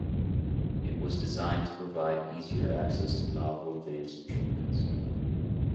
It was designed to provide easier access to novel advanced treatments.